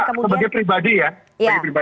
saya sebagai pribadi ya